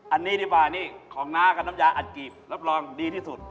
อันนี้ดีกว่านี่ของน้ากับน้ำยาอัดกีบรับรองดีที่สุด